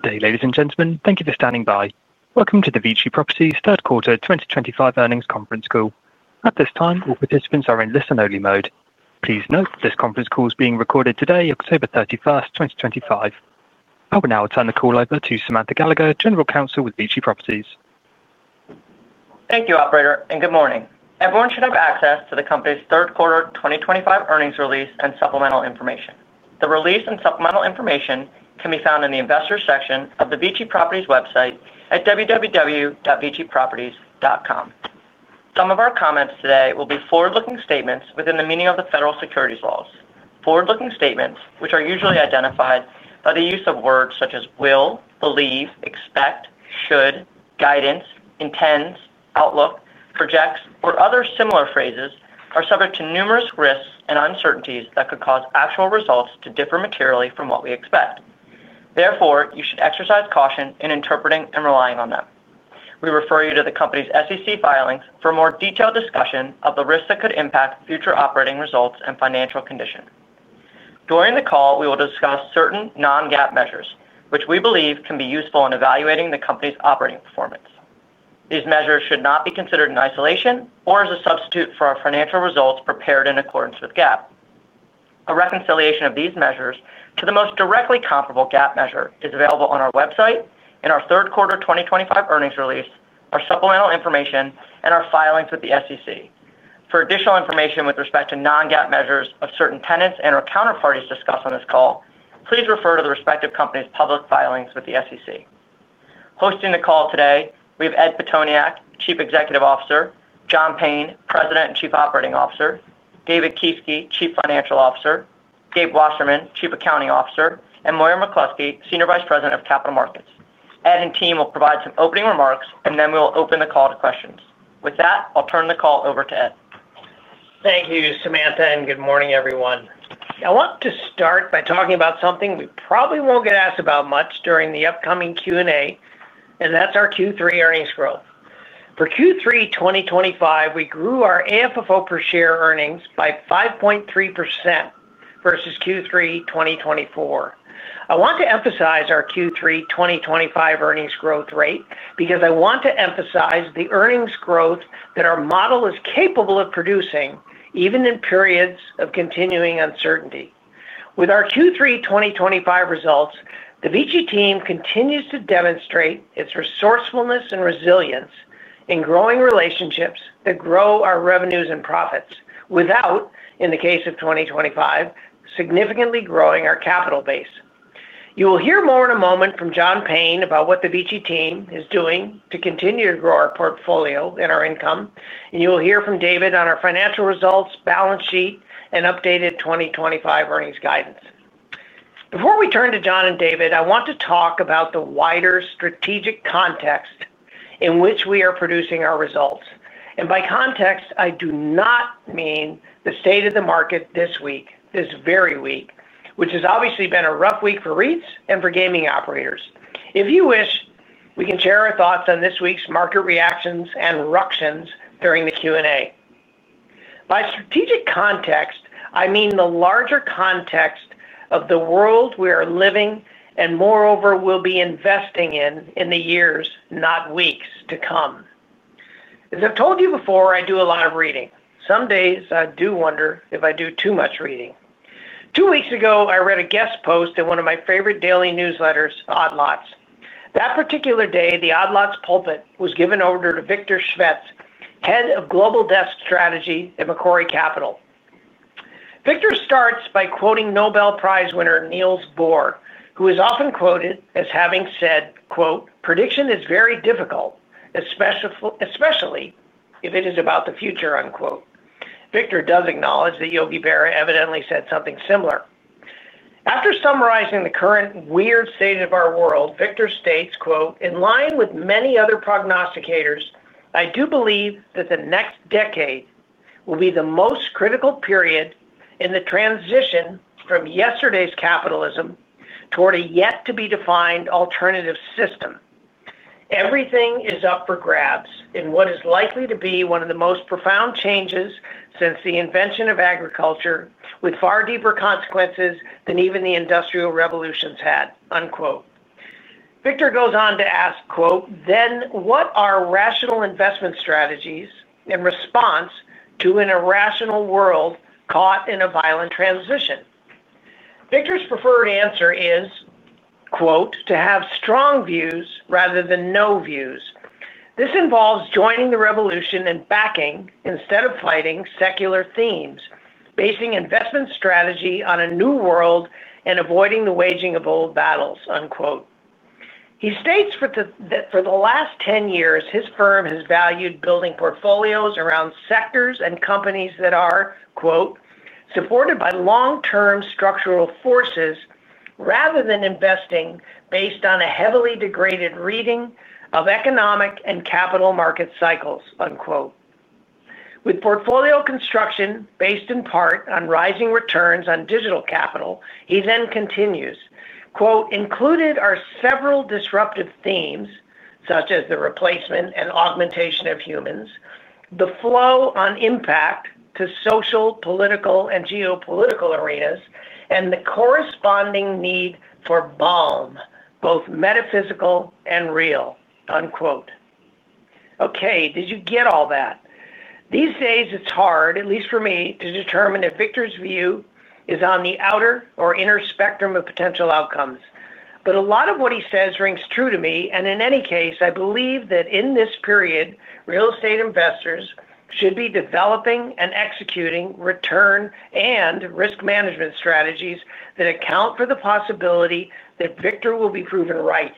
Good day, ladies and gentlemen. Thank you for standing by. Welcome to the VICI Properties Third Quarter 2025 Earnings Conference Call. At this time, all participants are in listen-only mode. Please note that this conference call is being recorded today, October 31st, 2025. I will now turn the call over to Samantha Gallagher, General Counsel with VICI Properties. Thank you, Operator, and good morning. Everyone should have access to the company's third quarter 2025 earnings release and supplemental information. The release and supplemental information can be found in the Investor section of the VICI Properties website at www.viciproperties.com. Some of our comments today will be forward-looking statements within the meaning of the federal securities laws. Forward-looking statements, which are usually identified by the use of words such as will, believe, expect, should, guidance, intends, outlook, projects, or other similar phrases, are subject to numerous risks and uncertainties that could cause actual results to differ materially from what we expect. Therefore, you should exercise caution in interpreting and relying on them. We refer you to the company's SEC filings for a more detailed discussion of the risks that could impact future operating results and financial condition. During the call, we will discuss certain non-GAAP measures, which we believe can be useful in evaluating the company's operating performance. These measures should not be considered in isolation or as a substitute for our financial results prepared in accordance with GAAP. A reconciliation of these measures to the most directly comparable GAAP measure is available on our website, in our third quarter 2025 earnings release, our supplemental information, and our filings with the SEC. For additional information with respect to non-GAAP measures of certain tenants and/or counterparties discussed on this call, please refer to the respective company's public filings with the SEC. Hosting the call today, we have Ed Pitoniak, Chief Executive Officer; John Payne, President and Chief Operating Officer; David Kieske, Chief Financial Officer; Gabe Wasserman, Chief Accounting Officer; and Moira McCloskey, Senior Vice President of Capital Markets. Ed and team will provide some opening remarks, and then we will open the call to questions. With that, I'll turn the call over to Ed. Thank you, Samantha, and good morning, everyone. I want to start by talking about something we probably won't get asked about much during the upcoming Q&A, and that's our Q3 earnings growth. For Q3 2025, we grew our AFFO per share earnings by 5.3% versus Q3 2024. I want to emphasize our Q3 2025 earnings growth rate because I want to emphasize the earnings growth that our model is capable of producing even in periods of continuing uncertainty. With our Q3 2025 results, the VICI team continues to demonstrate its resourcefulness and resilience in growing relationships that grow our revenues and profits without, in the case of 2025, significantly growing our capital base. You will hear more in a moment from John Payne about what the VICI team is doing to continue to grow our portfolio and our income, and you will hear from David on our financial results, balance sheet, and updated 2025 earnings guidance. Before we turn to John and David, I want to talk about the wider strategic context in which we are producing our results. By context, I do not mean the state of the market this week, this very week, which has obviously been a rough week for REITs and for gaming operators. If you wish, we can share our thoughts on this week's market reactions and ructions during the Q&A. By strategic context, I mean the larger context of the world we are living and moreover will be investing in in the years, not weeks, to come. As I've told you before, I do a lot of reading. Some days, I do wonder if I do too much reading. Two weeks ago, I read a guest post in one of my favorite daily newsletters, Odd Lots. That particular day, the Odd Lots pulpit was given over to Victor Schmitz, Head of Global Desk Strategy at Macquarie Capital. Victor starts by quoting Nobel Prize winner Niels Bohr, who is often quoted as having said, "Prediction is very difficult, especially if it is about the future." Victor does acknowledge that Yogi Berra evidently said something similar. After summarizing the current weird state of our world, Victor states, "In line with many other prognosticators, I do believe that the next decade will be the most critical period in the transition from yesterday's capitalism toward a yet-to-be-defined alternative system." Everything is up for grabs in what is likely to be one of the most profound changes since the invention of agriculture, with far deeper consequences than even the industrial revolution's had.'' Victor goes on to ask, "Then what are rational investment strategies in response to an irrational world caught in a violent transition?" Victor's preferred answer is, "To have strong views rather than no views. This involves joining the revolution and backing instead of fighting secular themes, basing investment strategy on a new world and avoiding the waging of old battles." He states that for the last 10 years, his firm has valued building portfolios around sectors and companies that are, "Supported by long-term structural forces rather than investing based on a heavily degraded reading of economic and capital market cycles." With portfolio construction based in part on rising returns on digital capital, he then continues, "Included are several disruptive themes, such as the replacement and augmentation of humans, the flow on impact to social, political, and geopolitical arenas, and the corresponding need for BALM, both metaphysical and real." Okay, did you get all that? These days, it's hard, at least for me, to determine if Victor's view is on the outer or inner spectrum of potential outcomes. A lot of what he says rings true to me, and in any case, I believe that in this period, real estate investors should be developing and executing return and risk management strategies that account for the possibility that Victor will be proven right,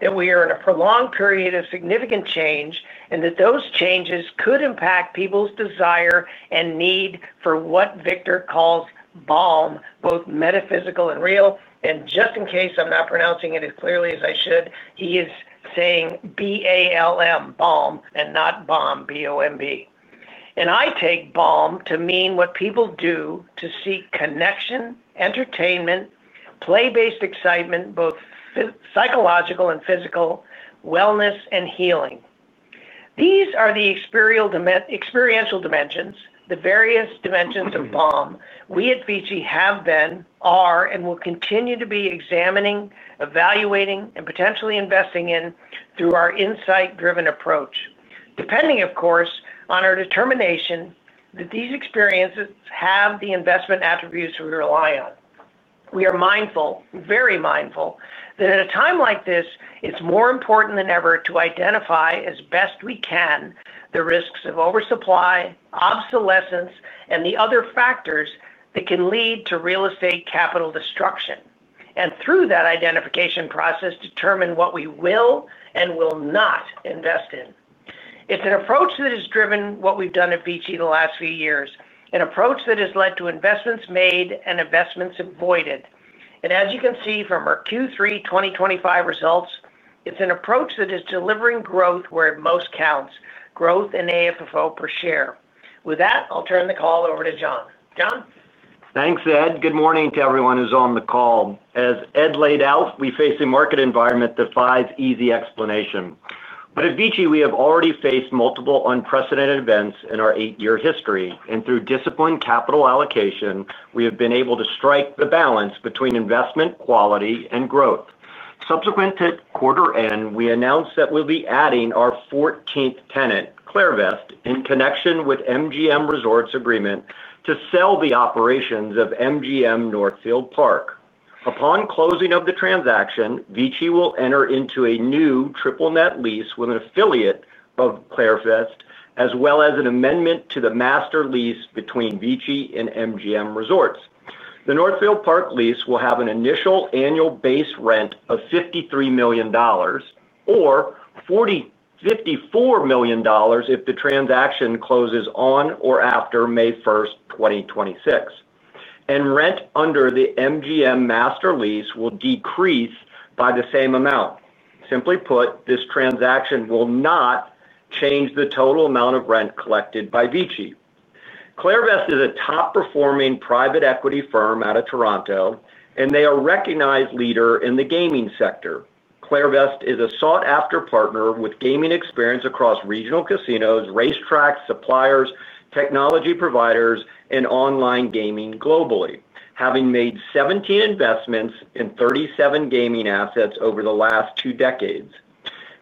that we are in a prolonged period of significant change, and that those changes could impact people's desire and need for what Victor calls BALM, both metaphysical and real. Just in case, I'm not pronouncing it as clearly as I should. He is saying B-A-L-M, BALM, and not BOMB, B-O-M-B. I take BALM to mean what people do to seek connection, entertainment, play-based excitement, psychological and physical wellness, and healing. These are the experiential dimensions, the various dimensions of BALM we at VICI have been, are, and will continue to be examining, evaluating, and potentially investing in through our insight-driven approach, depending, of course, on our determination that these experiences have the investment attributes we rely on. We are mindful, very mindful, that at a time like this, it's more important than ever to identify as best we can the risks of oversupply, obsolescence, and the other factors that can lead to real estate capital destruction, and through that identification process, determine what we will and will not invest in. It's an approach that has driven what we've done at VICI the last few years, an approach that has led to investments made and investments avoided. As you can see from our Q3 2025 results, it's an approach that is delivering growth where it most counts, growth in AFFO per share. With that, I'll turn the call over to John. John? Thanks, Ed. Good morning to everyone who's on the call. As Ed laid out, we face a market environment that defies easy explanation. At VICI, we have already faced multiple unprecedented events in our 8-year history, and through disciplined capital allocation, we have been able to strike the balance between investment, quality, and growth. Subsequent to quarter end, we announced that we'll be adding our 14th tenant, Clairvest, in connection with MGM Resorts' agreement to sell the operations of MGM Northfield Park. Upon closing of the transaction, VICI will enter into a new triple-net lease with an affiliate of Clairvest, as well as an amendment to the master lease between VICI and MGM Resorts. The Northfield Park lease will have an initial annual base rent of $53 million, or $54 million if the transaction closes on or after May 1st, 2026. Rent under the MGM master lease will decrease by the same amount. Simply put, this transaction will not change the total amount of rent collected by VICI. Clairvest is a top-performing private equity firm out of Toronto, and they are a recognized leader in the gaming sector. Clairvest is a sought-after partner with gaming experience across regional casinos, racetracks, suppliers, technology providers, and online gaming globally, having made 17 investments in 37 gaming assets over the last two decades.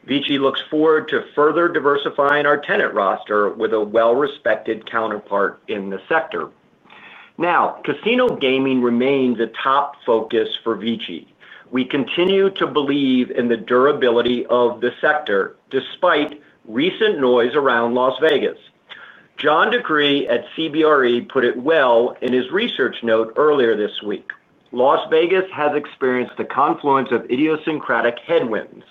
VICI looks forward to further diversifying our tenant roster with a well-respected counterpart in the sector. Now, casino gaming remains a top focus for VICI. We continue to believe in the durability of the sector despite recent noise around Las Vegas. John DeCree at CBRE put it well in his research note earlier this week, "Las Vegas has experienced the confluence of idiosyncratic headwinds."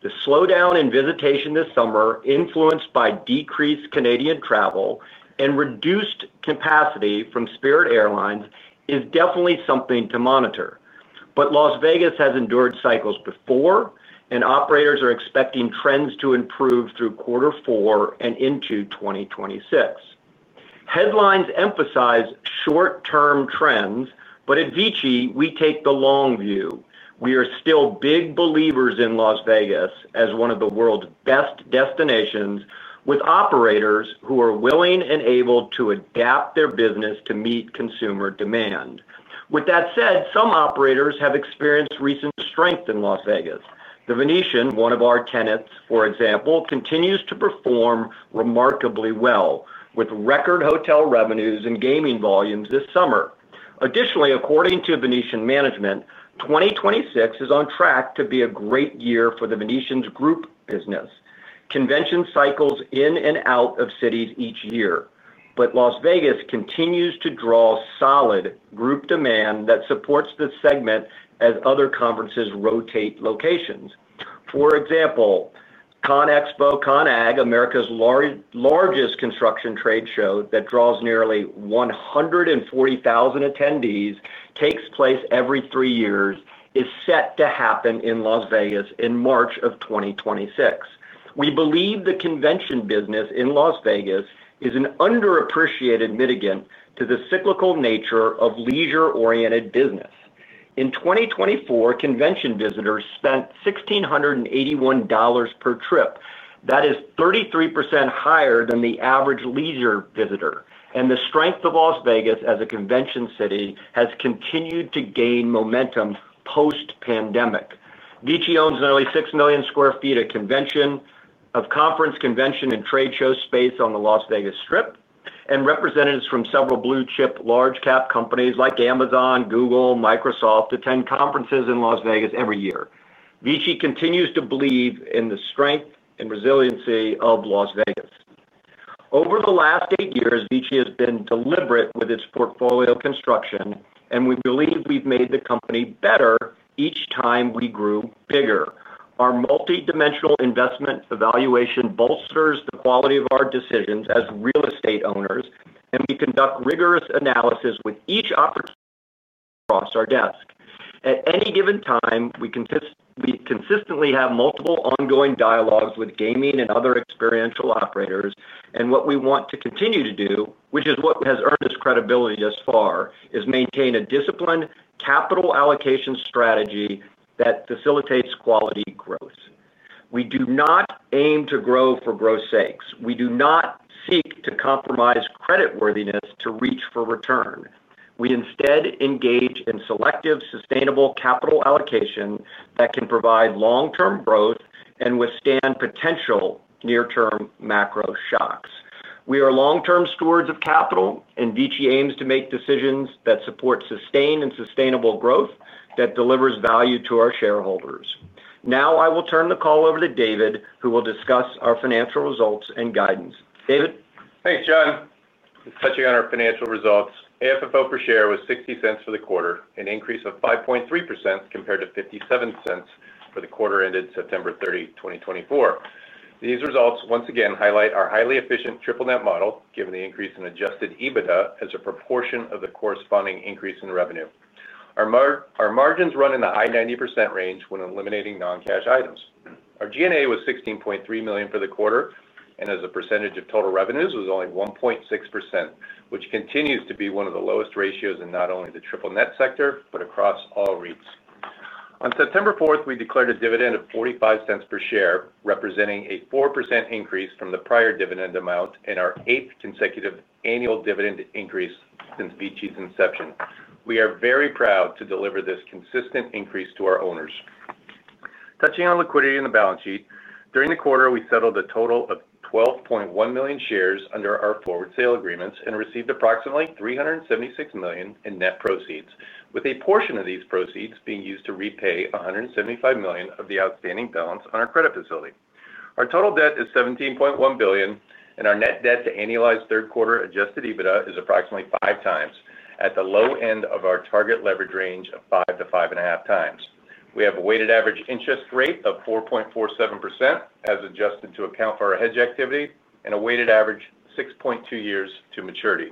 The slowdown in visitation this summer, influenced by decreased Canadian travel and reduced capacity from Spirit Airlines, is definitely something to monitor. Las Vegas has endured cycles before, and operators are expecting trends to improve through quarter four and into 2026. Headlines emphasize short-term trends, but at VICI, we take the long view. We are still big believers in Las Vegas as one of the world's best destinations, with operators who are willing and able to adapt their business to meet consumer demand. With that said, some operators have experienced recent strength in Las Vegas. The Venetian, one of our tenants, for example, continues to perform remarkably well, with record hotel revenues and gaming volumes this summer. Additionally, according to Venetian Management, 2026 is on track to be a great year for the Venetian's group business. Convention cycles in and out of cities each year. Las Vegas continues to draw solid group demand that supports the segment as other conferences rotate locations. For example, CONEXPO-CON/AGG, America's largest construction trade show that draws nearly 140,000 attendees, takes place every 3 years and is set to happen in Las Vegas in March of 2026. We believe the convention business in Las Vegas is an underappreciated mitigant to the cyclical nature of leisure-oriented business. In 2024, convention visitors spent $1,681 per trip. That is 33% higher than the average leisure visitor. The strength of Las Vegas as a convention city has continued to gain momentum post-pandemic. VICI owns nearly 6 million sq ft of conference, convention, and trade show space on the Las Vegas Strip, and representatives from several blue-chip large-cap companies like Amazon, Google, and Microsoft attend conferences in Las Vegas every year. VICI continues to believe in the strength and resiliency of Las Vegas. Over the last 8 years, VICI has been deliberate with its portfolio construction, and we believe we've made the company better each time we grew bigger. Our multidimensional investment evaluation bolsters the quality of our decisions as real estate owners, and we conduct rigorous analysis with each opportunity across our desk. At any given time, we consistently have multiple ongoing dialogues with gaming and other experiential operators, and what we want to continue to do, which is what has earned us credibility thus far, is maintain a disciplined capital allocation strategy that facilitates quality growth. We do not aim to grow for growth's sake. We do not seek to compromise creditworthiness to reach for return. We instead engage in selective, sustainable capital allocation that can provide long-term growth and withstand potential near-term macro shocks. We are long-term stewards of capital, and VICI aims to make decisions that support sustained and sustainable growth that delivers value to our shareholders. Now, I will turn the call over to David, who will discuss our financial results and guidance. David? Hey, John. Touching on our financial results, AFFO per share was $0.60 for the quarter, an increase of 5.3% compared to $0.57 for the quarter ended September 30, 2024. These results, once again, highlight our highly efficient triple-net lease model, given the increase in adjusted EBITDA as a proportion of the corresponding increase in revenue. Our margins run in the high 90% range when eliminating non-cash items. Our G&A was $16.3 million for the quarter, and as a percentage of total revenues, it was only 1.6%, which continues to be one of the lowest ratios in not only the triple-net sector but across all REITs. On September 4th, we declared a dividend of $0.45 per share, representing a 4% increase from the prior dividend amount in our eighth consecutive annual dividend increase since VICI's inception. We are very proud to deliver this consistent increase to our owners. Touching on liquidity in the balance sheet, during the quarter, we settled a total of 12.1 million shares under our forward sale agreements and received approximately $376 million in net proceeds, with a portion of these proceeds being used to repay $175 million of the outstanding balance on our credit facility. Our total debt is $17.1 billion, and our net debt to annualized third-quarter adjusted EBITDA is approximately 5x, at the low end of our target leverage range of 5-5.5x. We have a weighted average interest rate of 4.47% as adjusted to account for our hedge activity and a weighted average of 6.2 years to maturity.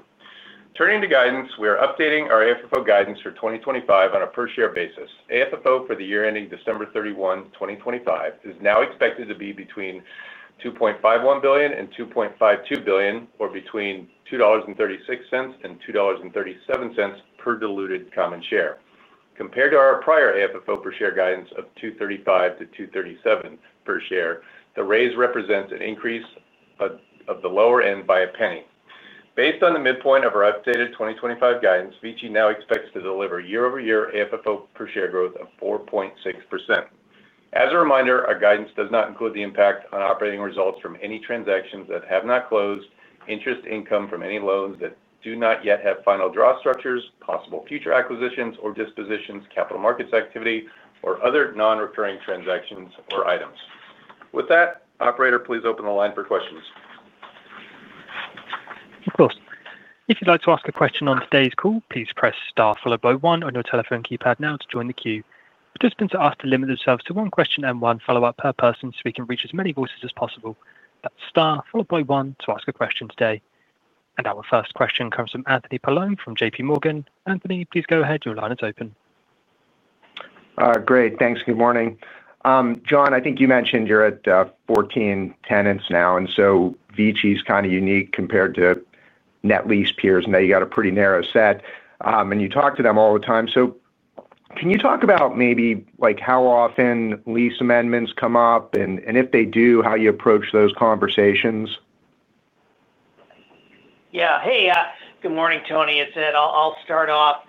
Turning to guidance, we are updating our AFFO guidance for 2025 on a per-share basis. AFFO for the year ending December 31, 2025, is now expected to be between $2.51 billion and $2.52 billion, or between $2.36 and $2.37 per diluted common share. Compared to our prior AFFO per share guidance of $2.35-$2.37 per share, the raise represents an increase of the lower end by a penny. Based on the midpoint of our updated 2025 guidance, VICI now expects to deliver year-over-year AFFO per share growth of 4.6%. As a reminder, our guidance does not include the impact on operating results from any transactions that have not closed, interest income from any loans that do not yet have final draw structures, possible future acquisitions or dispositions, capital markets activity, or other non-recurring transactions or items. With that, operator, please open the line for questions. Of course. If you'd like to ask a question on today's call, please press star followed by one on your telephone keypad now to join the queue. Participants are asked to limit themselves to one question and one follow-up per person so we can reach as many voices as possible. That's star followed by one to ask a question today. Our first question comes from Anthony Paolone from JPMorgan. Anthony, please go ahead. Your line is open. Great. Thanks. Good morning. John, I think you mentioned you're at 14 tenants now, and VICI is kind of unique compared to net lease peers. They got a pretty narrow set, and you talk to them all the time. Can you talk about maybe how often lease amendments come up, and if they do, how you approach those conversations? Yeah. Hey, good morning, Tony. I'll start off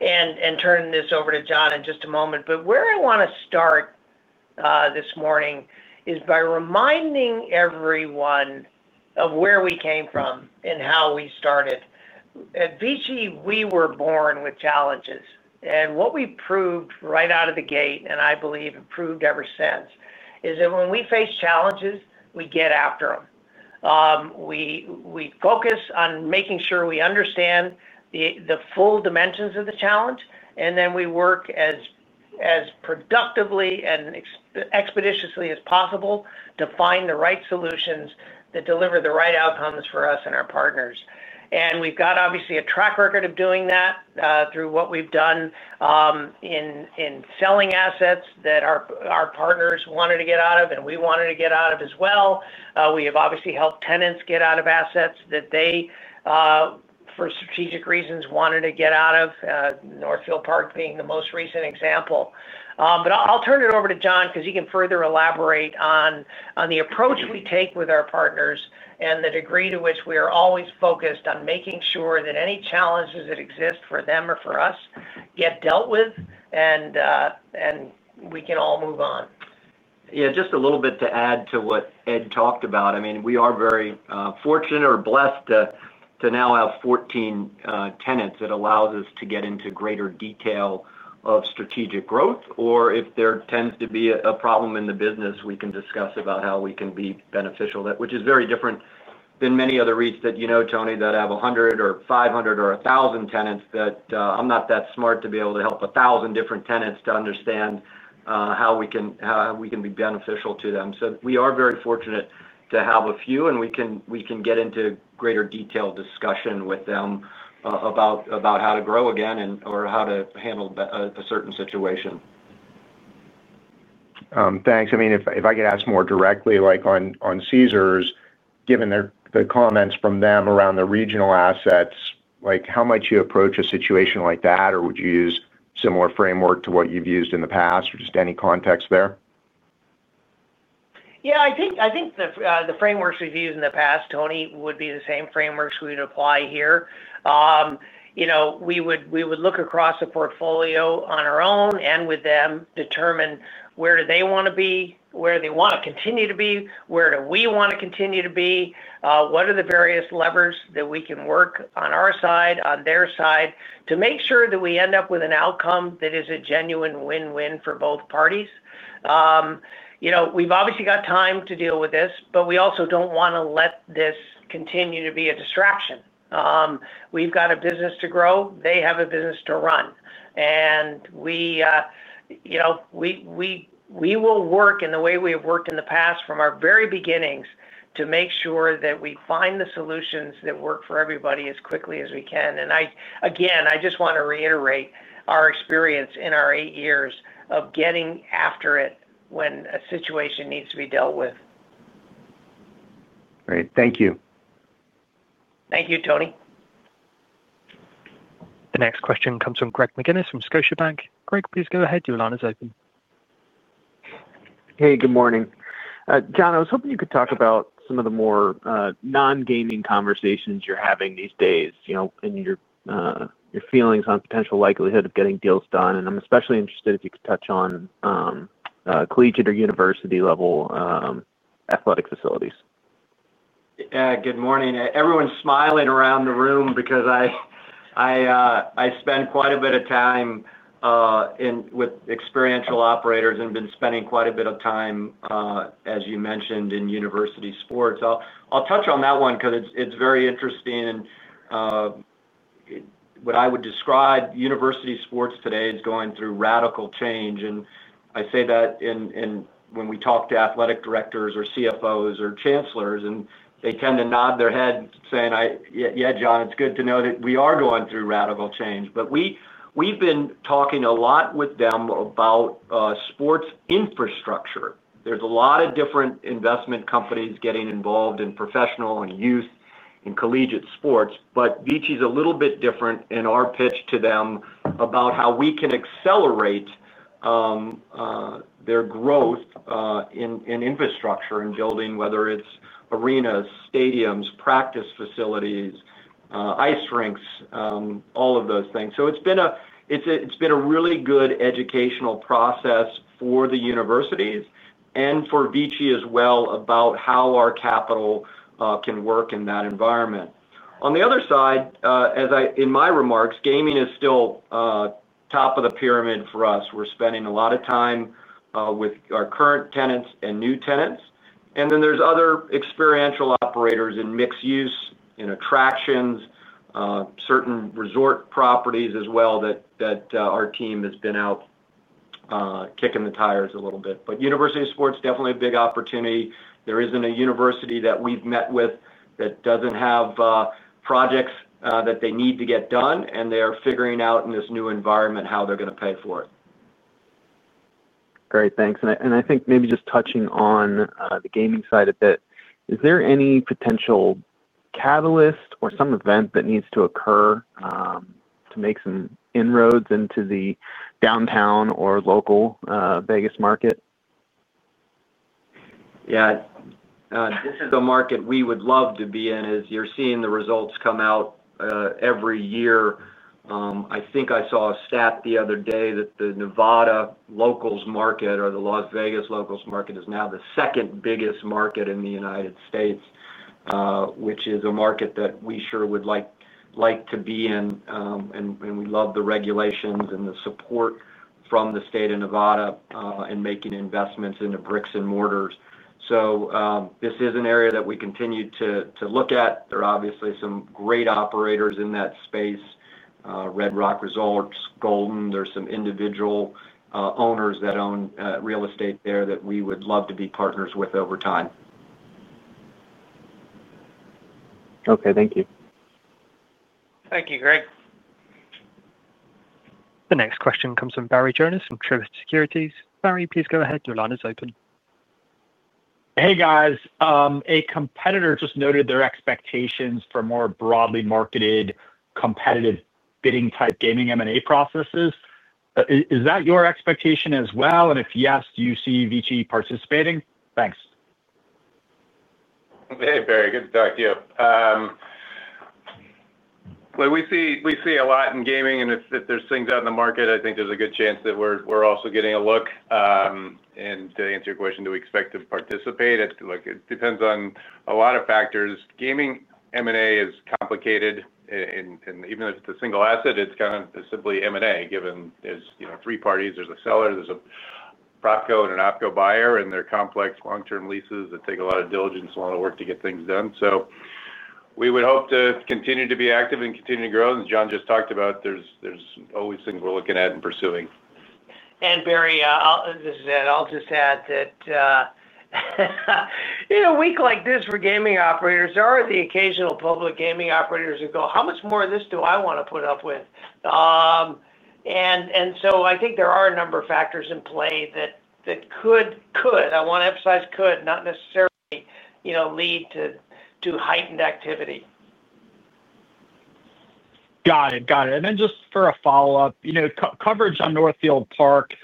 and turn this over to John in just a moment. Where I want to start this morning is by reminding everyone of where we came from and how we started. At VICI, we were born with challenges. What we proved right out of the gate, and I believe it proved ever since, is that when we face challenges, we get after them. We focus on making sure we understand the full dimensions of the challenge, and then we work as productively and expeditiously as possible to find the right solutions that deliver the right outcomes for us and our partners. We've got, obviously, a track record of doing that through what we've done in selling assets that our partners wanted to get out of, and we wanted to get out of as well. We have, obviously, helped tenants get out of assets that they, for strategic reasons, wanted to get out of, Northfield Park being the most recent example. I'll turn it over to John because he can further elaborate on the approach we take with our partners and the degree to which we are always focused on making sure that any challenges that exist for them or for us get dealt with, and we can all move on. Yeah. Just a little bit to add to what Ed talked about. I mean, we are very fortunate or blessed to now have 14 tenants. It allows us to get into greater detail of strategic growth. If there tends to be a problem in the business, we can discuss how we can be beneficial, which is very different than many other REITs that you know, Tony, that have 100 or 500 or 1,000 tenants. I'm not that smart to be able to help 1,000 different tenants to understand how we can be beneficial to them. We are very fortunate to have a few, and we can get into greater detailed discussion with them about how to grow again or how to handle a certain situation. Thanks. If I could ask more directly, on Caesars, given the comments from them around the regional assets, how might you approach a situation like that? Would you use a similar framework to what you've used in the past, or just any context there? Yeah. I think the frameworks we've used in the past, Tony, would be the same frameworks we would apply here. We would look across the portfolio on our own and with them, determine where do they want to be, where do they want to continue to be, where do we want to continue to be, what are the various levers that we can work on our side, on their side, to make sure that we end up with an outcome that is a genuine win-win for both parties. We've obviously got time to deal with this, but we also don't want to let this continue to be a distraction. We've got a business to grow. They have a business to run. We will work in the way we have worked in the past from our very beginnings to make sure that we find the solutions that work for everybody as quickly as we can. Again, I just want to reiterate our experience in our 8 years of getting after it when a situation needs to be dealt with. Great. Thank you. Thank you, Tony. The next question comes from Greg McGinnis from Scotiabank. Greg, please go ahead. Your line is open. Hey, good morning. John, I was hoping you could talk about some of the more non-gaming conversations you're having these days and your feelings on the potential likelihood of getting deals done. I'm especially interested if you could touch on collegiate or university-level athletic facilities. Yeah. Good morning. Everyone's smiling around the room because I spend quite a bit of time with experiential operators and been spending quite a bit of time, as you mentioned, in university sports. I'll touch on that one because it's very interesting. What I would describe university sports today as going through radical change. I say that when we talk to Athletic Directors or CFOs or Chancellors, and they tend to nod their head saying, "Yeah, John, it's good to know that we are going through radical change." We've been talking a lot with them about sports infrastructure. There's a lot of different investment companies getting involved in professional and youth and collegiate sports. VICI is a little bit different in our pitch to them about how we can accelerate their growth in infrastructure and building, whether it's arenas, stadiums, practice facilities, ice rinks, all of those things. It's been a really good educational process for the universities and for VICI as well about how our capital can work in that environment. On the other side, in my remarks, gaming is still top of the pyramid for us. We're spending a lot of time with our current tenants and new tenants. There are other experiential operators in mixed use, in attractions, certain resort properties as well that our team has been out kicking the tires a little bit. University sports is definitely a big opportunity. There isn't a university that we've met with that doesn't have projects that they need to get done, and they're figuring out in this new environment how they're going to pay for it. Great. Thanks. I think maybe just touching on the gaming side a bit, is there any potential catalyst or some event that needs to occur to make some inroads into the downtown or local Vegas market? Yeah. This is the market we would love to be in, as you're seeing the results come out every year. I think I saw a stat the other day that the Nevada locals market or the Las Vegas locals market is now the second biggest market in the United States, which is a market that we sure would like to be in. We love the regulations and the support from the state of Nevada in making investments into bricks and mortars. This is an area that we continue to look at. There are obviously some great operators in that space. Red Rock Resorts, Golden, there are some individual owners that own real estate there that we would love to be partners with over time. Okay, thank you. Thank you, Greg. The next question comes from Barry Jonas from Truist Securities. Barry, please go ahead. Your line is open. Hey, guys. A competitor just noted their expectations for more broadly marketed, competitive bidding-type gaming M&A processes. Is that your expectation as well? If yes, do you see VICI participating? Thanks. Hey, Barry. Good to talk to you. We see a lot in gaming. If there's things out in the market, I think there's a good chance that we're also getting a look. To answer your question, do we expect to participate? It depends on a lot of factors. Gaming M&A is complicated. Even if it's a single asset, it's kind of simply M&A, given there's three parties. There's a seller, there's a PropCo, and an OpCo buyer, and they're complex long-term leases that take a lot of diligence and a lot of work to get things done. We would hope to continue to be active and continue to grow. As John just talked about, there's always things we're looking at and pursuing. Barry, I'll just add that a week like this for gaming operators or the occasional public gaming operators who go, "How much more of this do I want to put up with?" I think there are a number of factors in play that could, I want to emphasize, could not necessarily lead to heightened activity. Got it. Got it. Just for a follow-up, coverage on Northfield Park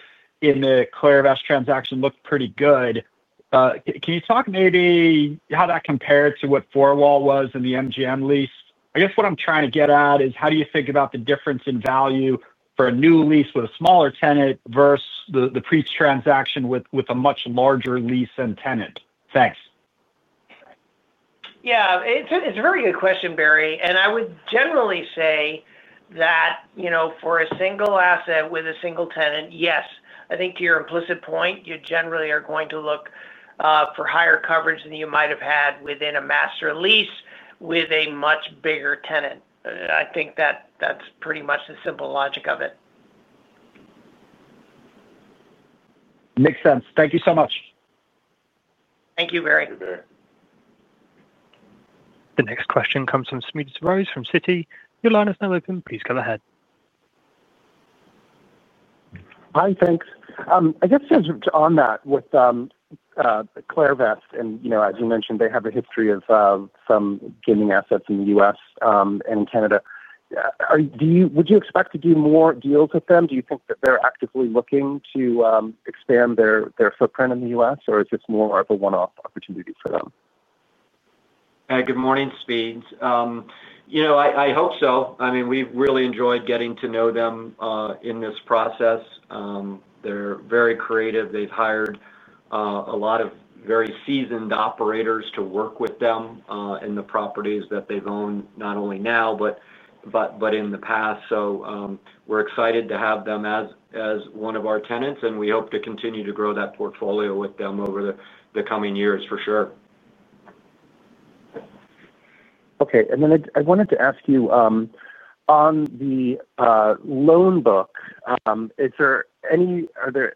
in the Clairvest transaction looked pretty good. Can you talk maybe how that compared to what four wall was in the MGM lease? I guess what I'm trying to get at is how do you think about the difference in value for a new lease with a smaller tenant versus the pre-transaction with a much larger lease and tenant? Thanks. Yeah. It's a very good question, Barry. I would generally say that for a single asset with a single tenant, yes. I think to your implicit point, you generally are going to look for higher coverage than you might have had within a master lease with a much bigger tenant. I think that's pretty much the simple logic of it. Makes sense. Thank you so much. Thank you, Barry. Thank you, Barry. The next question comes from Smedes Rose from Citi. Your line is now open. Please go ahead. Hi. Thanks. I guess just on that with Clairvest, and as you mentioned, they have a history of some gaming assets in the U.S. and in Canada. Would you expect to do more deals with them? Do you think that they're actively looking to expand their footprint in the U.S., or is this more of a one-off opportunity for them? Good morning, Smedes. I hope so. I mean, we've really enjoyed getting to know them in this process. They're very creative. They've hired a lot of very seasoned operators to work with them in the properties that they've owned not only now but in the past. We're excited to have them as one of our tenants, and we hope to continue to grow that portfolio with them over the coming years, for sure. Okay. I wanted to ask you, on the loan book, are there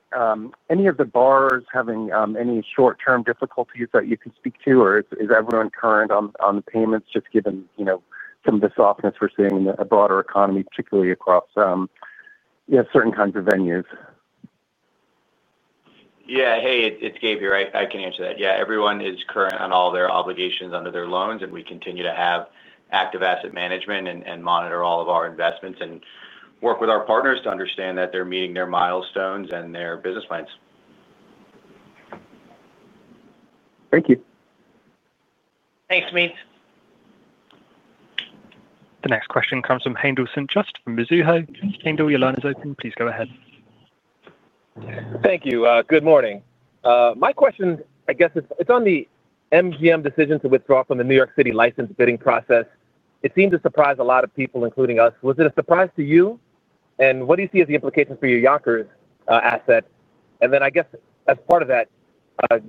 any of the borrowers having any short-term difficulties that you can speak to, or is everyone current on the payments, just given some of the softness we're seeing in the broader economy, particularly across certain kinds of venues? Yeah, it's Gabe here. I can answer that. Everyone is current on all their obligations under their loans, and we continue to have active asset management and monitor all of our investments and work with our partners to understand that they're meeting their milestones and their business plans. Thank you. Thanks, Smedes. The next question comes from Haendel St. Juste from Mizuho. Haendel, your line is open. Please go ahead. Thank you. Good morning. My question, I guess, is on the MGM decision to withdraw from the New York City license bidding process. It seemed to surprise a lot of people, including us. Was it a surprise to you? What do you see as the implications for your Yonkers asset? As part of that,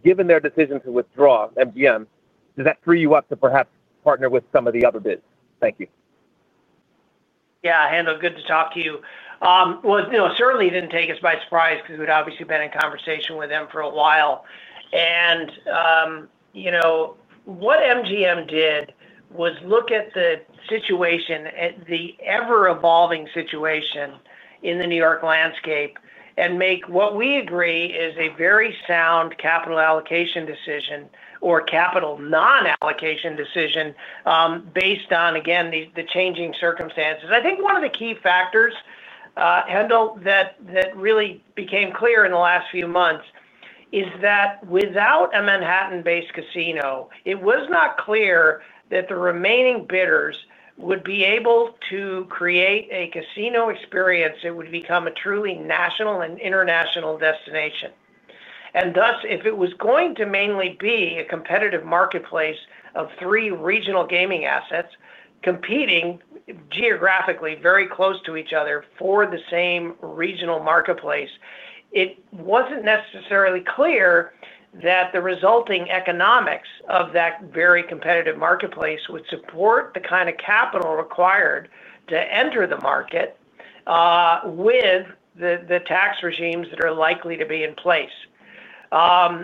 given their decision to withdraw, MGM, does that free you up to perhaps partner with some of the other bids? Thank you. Yeah. Haendel, good to talk to you. It didn't take us by surprise because we'd obviously been in conversation with them for a while. What MGM did was look at the situation, the ever-evolving situation in the New York landscape, and make what we agree is a very sound capital allocation decision or capital non-allocation decision, based on, again, the changing circumstances. I think one of the key factors, Haendel, that really became clear in the last few months is that without a Manhattan-based casino, it was not clear that the remaining bidders would be able to create a casino experience that would become a truly national and international destination. Thus, if it was going to mainly be a competitive marketplace of three regional gaming assets competing geographically very close to each other for the same regional marketplace, it wasn't necessarily clear that the resulting economics of that very competitive marketplace would support the kind of capital required to enter the market, with the tax regimes that are likely to be in place. I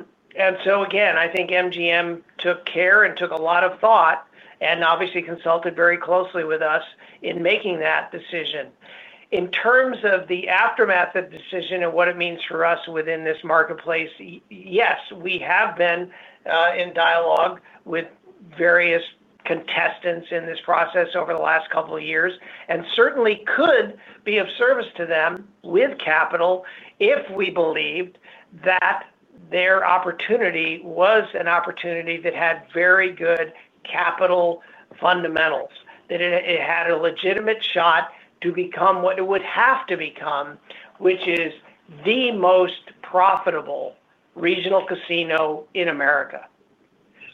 think MGM took care and took a lot of thought and obviously consulted very closely with us in making that decision. In terms of the aftermath of the decision and what it means for us within this marketplace, yes, we have been in dialogue with various contestants in this process over the last couple of years and certainly could be of service to them with capital if we believed that their opportunity was an opportunity that had very good capital fundamentals, that it had a legitimate shot to become what it would have to become, which is the most profitable regional casino in America.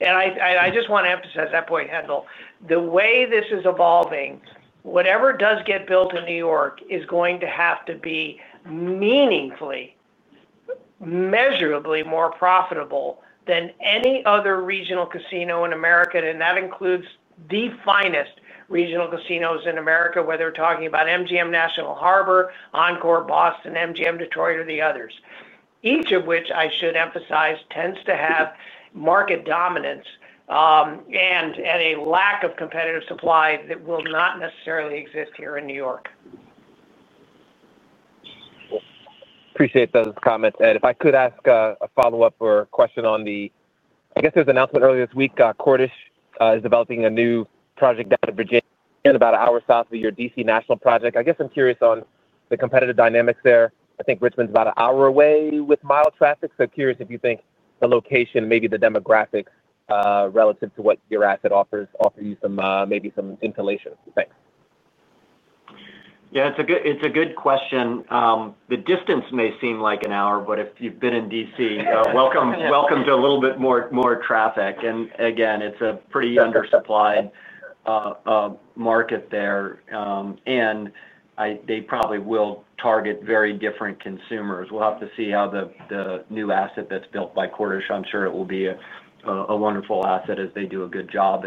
I just want to emphasize that point, Haendel. The way this is evolving, whatever does get built in New York is going to have to be meaningfully, measurably more profitable than any other regional casino in America. That includes the finest regional casinos in America, whether we're talking about MGM National Harbor, Encore Boston, MGM Detroit, or the others, each of which, I should emphasize, tends to have market dominance and a lack of competitive supply that will not necessarily exist here in New York. Appreciate those comments. If I could ask a follow-up question on the, I guess there was an announcement earlier this week, Cordish is developing a new project down in Virginia about an hour south of your DC National Project. I'm curious on the competitive dynamics there. I think Richmond's about an hour away with mild traffic. Curious if you think the location, maybe the demographics relative to what your asset offers you, maybe some insulation. Thanks. Yeah. It's a good question. The distance may seem like an hour, but if you've been in DC, welcome to a little bit more traffic. It's a pretty undersupplied market there. They probably will target very different consumers. We'll have to see how the new asset that's built by Cordish, I'm sure it will be a wonderful asset as they do a good job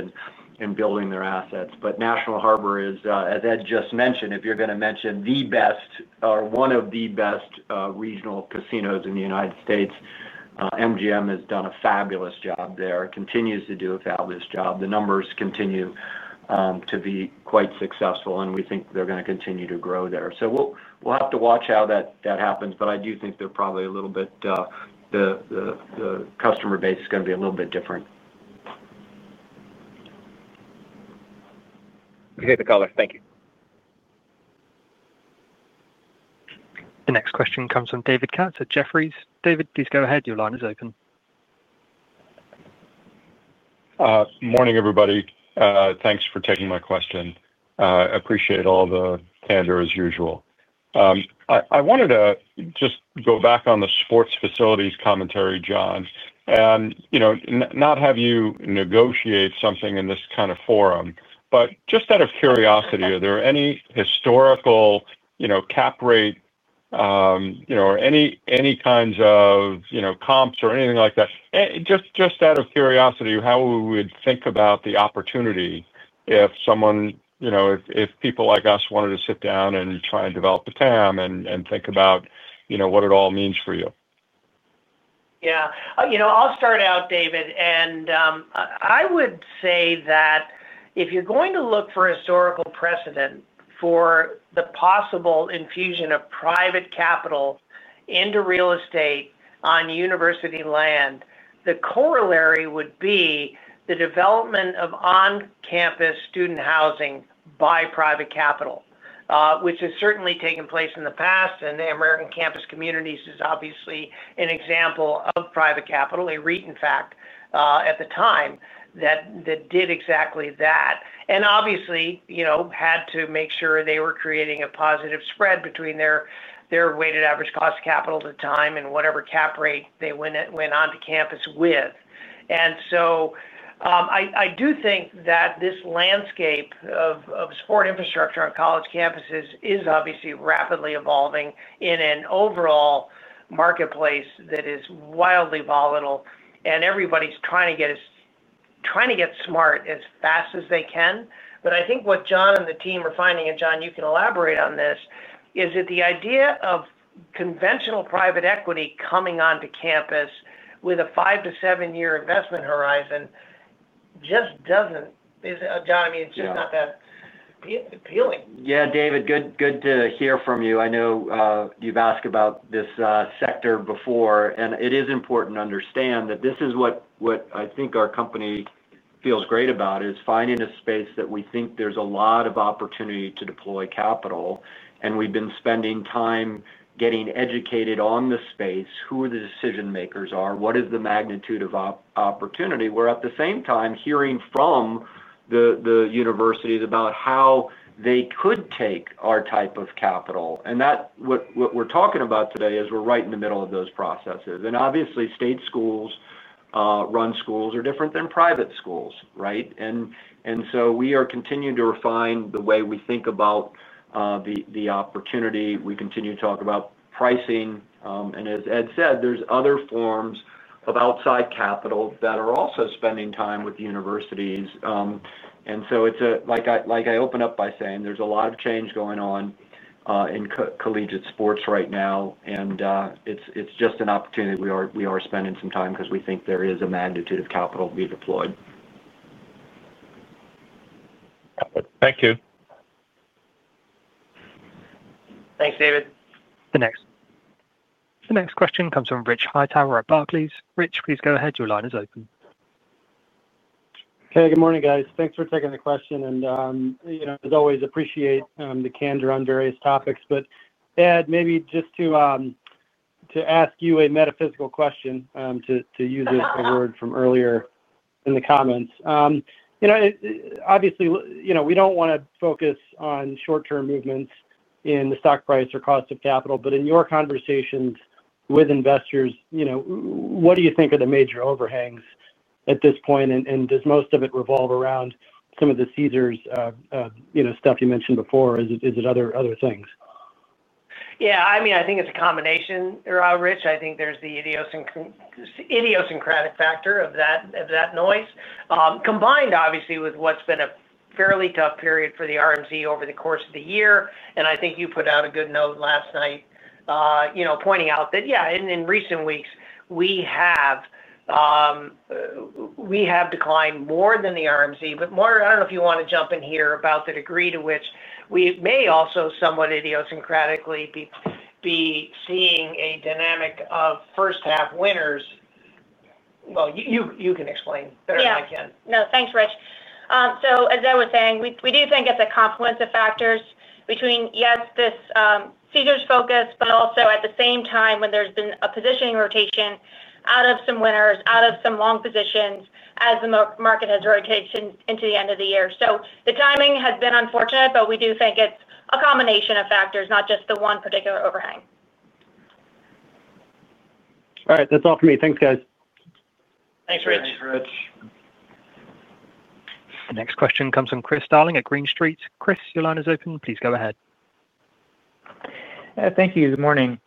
in building their assets. National Harbor is, as Ed just mentioned, if you're going to mention the best or one of the best regional casinos in the United States, MGM has done a fabulous job there, continues to do a fabulous job. The numbers continue to be quite successful, and we think they're going to continue to grow there. We'll have to watch how that happens. I do think they're probably a little bit, the customer base is going to be a little bit different. Thank you. The next question comes from David Katz at Jefferies. David, please go ahead. Your line is open. Morning, everybody. Thanks for taking my question. I appreciate all the candor as usual. I wanted to just go back on the sports facilities commentary, John, and not have you negotiate something in this kind of forum. Just out of curiosity, are there any historical cap rate or any kinds of comps or anything like that? Just out of curiosity, how we would think about the opportunity if someone, if people like us wanted to sit down and try and develop a TAM and think about what it all means for you? Yeah. I'll start out, David. I would say that if you're going to look for historical precedent for the possible infusion of private capital into real estate on university land, the corollary would be the development of on-campus student housing by private capital, which has certainly taken place in the past. American Campus Communities is obviously an example of private capital, a recent fact at the time that did exactly that. Obviously, they had to make sure they were creating a positive spread between their weighted average cost of capital at the time and whatever cap rate they went on to campus with. I do think that this landscape of sport infrastructure on college campuses is obviously rapidly evolving in an overall marketplace that is wildly volatile. Everybody's trying to get smart as fast as they can. I think what John and the team are finding, and John, you can elaborate on this, is that the idea of conventional private equity coming onto campus with a 5-7 year investment horizon just doesn't, John, I mean, it's just not that appealing. Yeah, David, good to hear from you. I know you've asked about this sector before, and it is important to understand that this is what I think our company feels great about, is finding a space that we think there's a lot of opportunity to deploy capital. We've been spending time getting educated on the space, who the decision-makers are, what is the magnitude of opportunity, while at the same time hearing from the universities about how they could take our type of capital. What we're talking about today is we're right in the middle of those processes. Obviously, state schools run schools are different than private schools, right? We are continuing to refine the way we think about the opportunity. We continue to talk about pricing. As Ed said, there's other forms of outside capital that are also spending time with universities. It's like I open up by saying there's a lot of change going on in collegiate sports right now. It's just an opportunity. We are spending some time because we think there is a magnitude of capital to be deployed. Thank you. Thanks, David. The next question comes from Rich Hightower at Barclays. Rich, please go ahead. Your line is open. Hey, good morning, guys. Thanks for taking the question. I appreciate the candor on various topics. Ed, maybe just to ask you a metaphysical question, to use a word from earlier in the comments. Obviously, we don't want to focus on short-term movements in the stock price or cost of capital. In your conversations with investors, what do you think are the major overhangs at this point? Does most of it revolve around some of the Caesars stuff you mentioned before, or is it other things? Yeah. I mean, I think it's a combination, Rich. I think there's the idiosyncratic factor of that noise, combined obviously with what's been a fairly tough period for the RMC over the course of the year. I think you put out a good note last night, pointing out that, yeah, in recent weeks, we have declined more than the RMC. I don't know if you want to jump in here about the degree to which we may also somewhat idiosyncratically be seeing a dynamic of first-half winners. You can explain better than I can. Yeah. No, thanks, Rich. As I was saying, we do think it's a confluence of factors between, yes, this Caesars focus, but also at the same time when there's been a positioning rotation out of some winners, out of some long positions as the market has rotated into the end of the year. The timing has been unfortunate, but we do think it's a combination of factors, not just the one particular overhang. All right. That's all for me. Thanks, guys. Thanks, Rich. Thanks, Rich. The next question comes from Chris Darling at Green Street. Chris, your line is open. Please go ahead. Thank you. Good morning.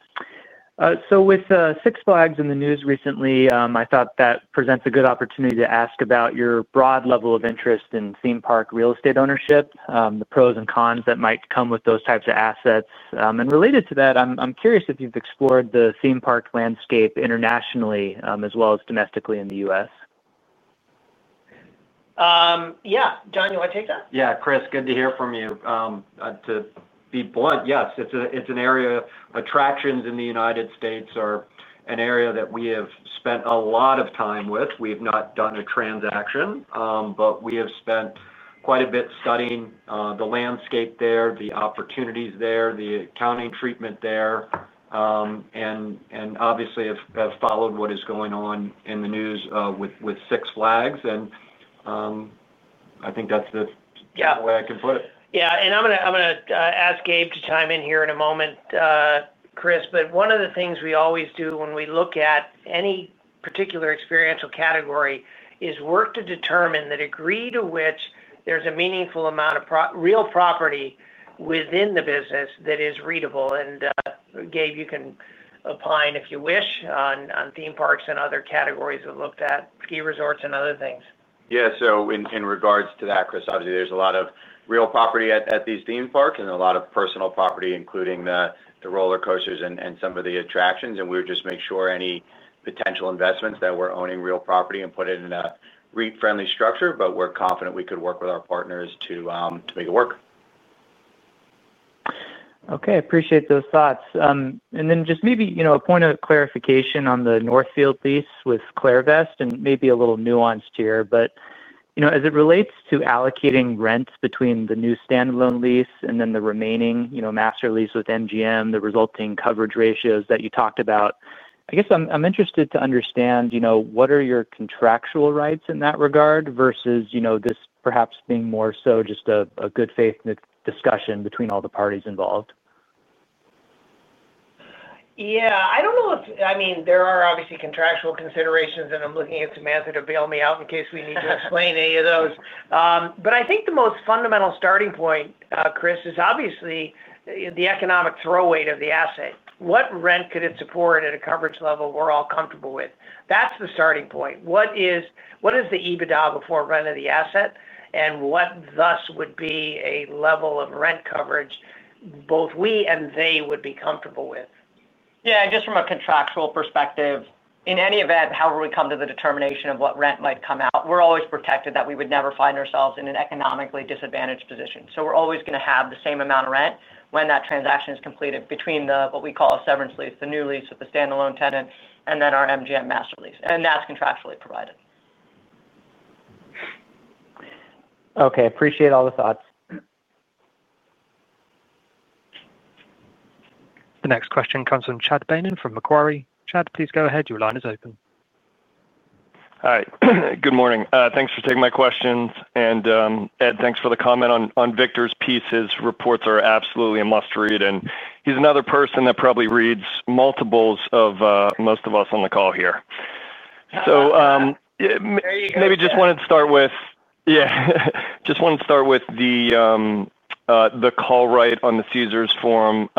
With Six Flags in the news recently, I thought that presents a good opportunity to ask about your broad level of interest in theme park real estate ownership, the pros and cons that might come with those types of assets. Related to that, I'm curious if you've explored the theme park landscape internationally as well as domestically in the U.S. Yeah. John, you want to take that? Yeah. Chris, good to hear from you. To be blunt, yes. It's an area of attractions in the United States or an area that we have spent a lot of time with. We've not done a transaction, but we have spent quite a bit studying the landscape there, the opportunities there, the accounting treatment there. We obviously have followed what is going on in the news with Six Flags. I think that's the way I can put it. Yeah. I'm going to ask Gabe to chime in here in a moment, Chris. One of the things we always do when we look at any particular experiential category is work to determine the degree to which there's a meaningful amount of real property within the business that is readable. Gabe, you can opine if you wish on theme parks and other categories we've looked at, ski resorts and other things. Yeah. In regards to that, Chris, obviously there's a lot of real property at these theme parks and a lot of personal property, including the roller coasters and some of the attractions. We would just make sure any potential investments that we're owning real property and put it in a REIT-friendly structure. We're confident we could work with our partners to make it work. Okay. I appreciate those thoughts. Just maybe a point of clarification on the Northfield lease with Clairvest, and maybe a little nuanced here. As it relates to allocating rents between the new standalone lease and the remaining master lease with MGM, the resulting coverage ratios that you talked about, I guess I'm interested to understand what are your contractual rights in that regard versus this perhaps being more so just a good faith discussion between all the parties involved? Yeah. I don't know if, I mean, there are obviously contractual considerations, and I'm looking at Samantha to bail me out in case we need to explain any of those. I think the most fundamental starting point, Chris, is obviously the economic throw weight of the asset. What rent could it support at a coverage level we're all comfortable with? That's the starting point. What is the EBITDA before rent of the asset? What thus would be a level of rent coverage both we and they would be comfortable with? Just from a contractual perspective, in any event, however we come to the determination of what rent might come out, we're always protected that we would never find ourselves in an economically disadvantaged position. We're always going to have the same amount of rent when that transaction is completed between what we call a severance lease, the new lease with the standalone tenant, and then our MGM master lease. That's contractually provided. Okay, appreciate all the thoughts. The next question comes from Chad Beynon from Macquarie. Chad, please go ahead. Your line is open. Hi. Good morning. Thanks for taking my questions. Ed, thanks for the comment on Victor's pieces. Reports are absolutely a must-read. He's another person that probably reads multiples of most of us on the call here. Maybe just wanted to start with the call right on the Caesars Forum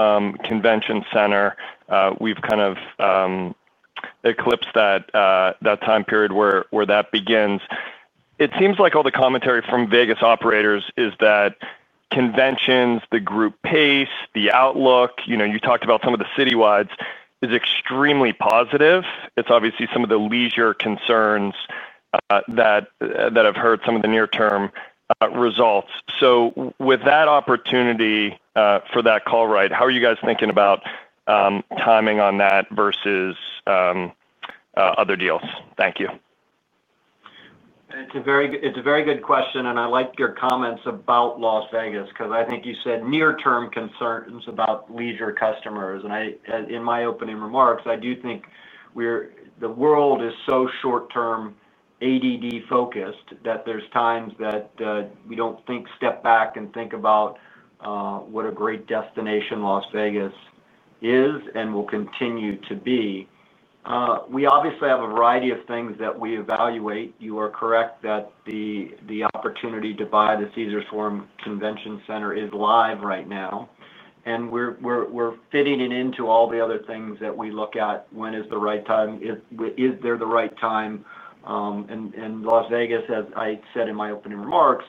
Convention Center. We've kind of eclipsed that time period where that begins. It seems like all the commentary from Vegas operators is that conventions, the group pace, the outlook, you talked about some of the citywides, is extremely positive. It's obviously some of the leisure concerns that I've heard, some of the near-term results. With that opportunity for that call right, how are you guys thinking about timing on that versus other deals? Thank you. It's a very good question. I like your comments about Las Vegas because I think you said near-term concerns about leisure customers. In my opening remarks, I do think the world is so short-term ADD-focused that there are times that we don't step back and think about what a great destination Las Vegas is and will continue to be. We obviously have a variety of things that we evaluate. You are correct that the opportunity to buy the Caesars Forum Convention Center is live right now, and we're fitting it into all the other things that we look at. When is the right time? Is there the right time? Las Vegas, as I said in my opening remarks,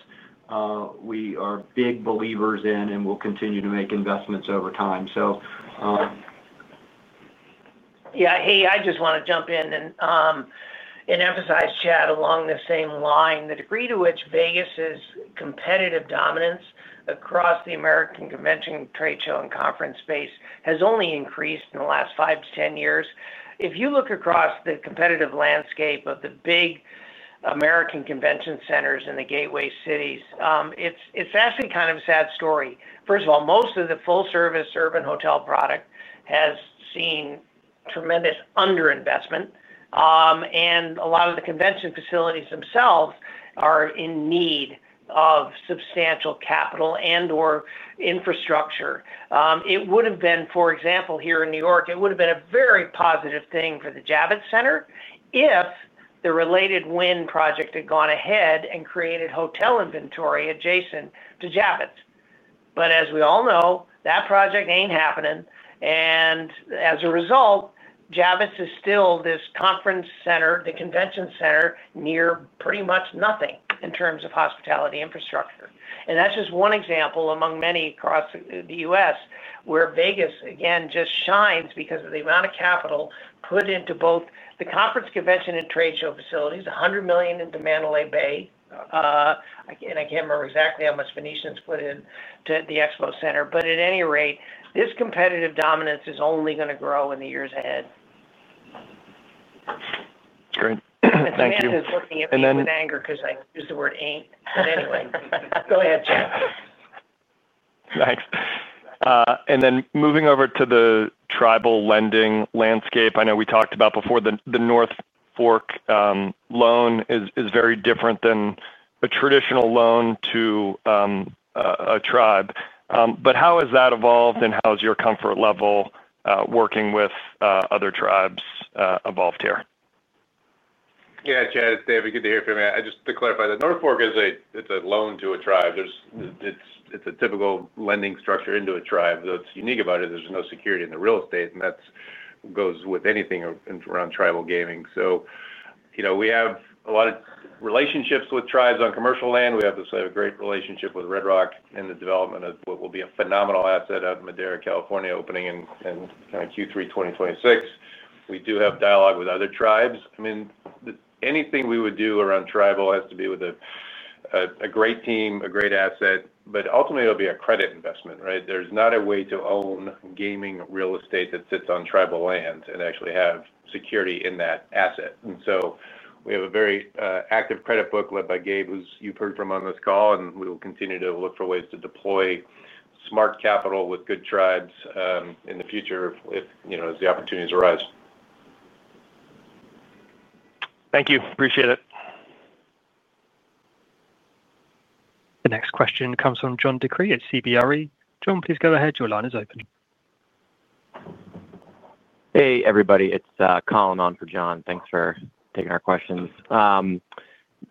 we are big believers in and will continue to make investments over time. Yeah, I just want to jump in and emphasize, Chad, along the same line, the degree to which Vegas's competitive dominance across the American convention, trade show, and conference space has only increased in the last 5-10 years. If you look across the competitive landscape of the big American convention centers in the gateway cities, it's actually kind of a sad story. First of all, most of the full-service urban hotel product has seen tremendous underinvestment, and a lot of the convention facilities themselves are in need of substantial capital and/or infrastructure. It would have been, for example, here in New York City, it would have been a very positive thing for the Javits Center if the related Wynn project had gone ahead and created hotel inventory adjacent to Javits. As we all know, that project isn't happening. As a result, Javits is still this conference center, the convention center near pretty much nothing in terms of hospitality infrastructure. That's just one example among many across the U.S. where Vegas, again, just shines because of the amount of capital put into both the conference, convention, and trade show facilities, $100 million in the Mandalay Bay. I can't remember exactly how much Venetian has put into the Expo Center. At any rate, this competitive dominance is only going to grow in the years ahead. Great. Thank you. It's looking a bit of anger because I used the word ain't. Anyway, go ahead, Chad. Thanks. Moving over to the tribal lending landscape, I know we talked about before the North Fork loan is very different than a traditional loan to a tribe. How has that evolved, and how has your comfort level working with other tribes evolved here? Yeah, Chad, it's David. Good to hear from you. Just to clarify, the North Fork is a loan to a tribe. It's a typical lending structure into a tribe. What's unique about it is there's no security in the real estate, and that goes with anything around tribal gaming. We have a lot of relationships with tribes on commercial land. We have a great relationship with Red Rock in the development of what will be a phenomenal asset out in Madera, California, opening in kind of Q3 2026. We do have dialogue with other tribes. I mean, anything we would do around tribal has to be with a great team, a great asset. Ultimately, it'll be a credit investment, right? There's not a way to own gaming real estate that sits on tribal land and actually have security in that asset. We have a very active credit book led by Gabe, who you've heard from on this call. We will continue to look for ways to deploy smart capital with good tribes in the future as the opportunities arise. Thank you. Appreciate it. The next question comes from John DeCree at CBRE. John, please go ahead. Your line is open. Hey, everybody. It's Colin on for John. Thanks for taking our questions.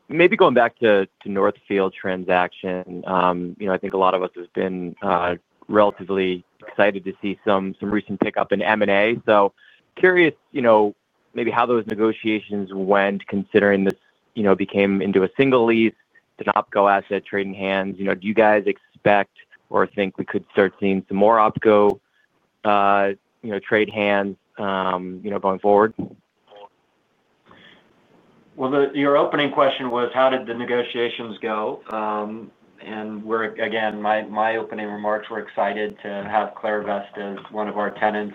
Maybe going back to the Northfield transaction, I think a lot of us have been relatively excited to see some recent pickup in M&A. Curious maybe how those negotiations went considering this became into a single lease, didn't opt-go asset trade in hands. Do you guys expect or think we could start seeing some more opt-go trade hands going forward? Your opening question was, how did the negotiations go? In my opening remarks, we're excited to have Clairvest as one of our tenants.